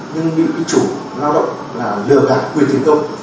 nhưng bị bị chủ lao động là lừa đặt quyền tiến công